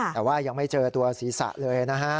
แต่ว่ายังไม่เจอตัวศีรษะเลยนะฮะ